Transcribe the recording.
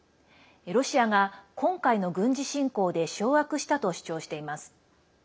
ロシアが、今回の軍事侵攻で掌握したと主張しています。